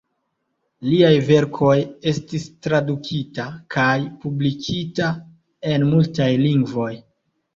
Liaj verkoj estis tradukita kaj publikita en multaj lingvoj.